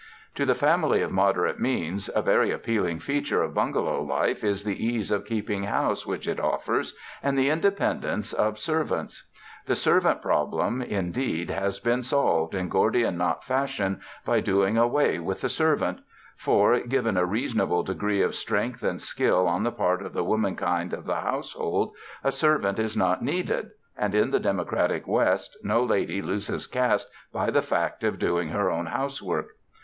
To the family of moderate means a very appeal ing feature of bungalow life is the ease of keeping house which it offers, and the independence of serv ants. The servant problem, indeed, has been solved in Gordian knot fashion by doing away with the servant; for, given a reasonable degree of strength and skill on the part of the womankind of the house hold, a servant is not needed, and in the democratic West no lady loses caste by the fact of doing her own housework.